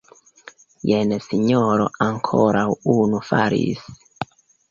Jen sinjoro, ankoraŭ unu falis!